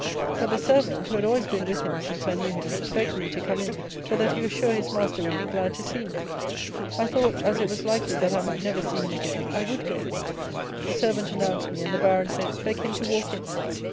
But the servant (who had always been with him since I knew him) begged me to come in, for that he was sure his master would be glad to see me. I thought, as it was likely that I might never see him again, I would go in. The servant announced me, and the Baron said, "Beg him to walk in."